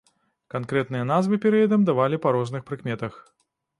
Канкрэтныя назвы перыядам давалі па розных прыкметах.